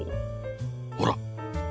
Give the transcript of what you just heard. ほら。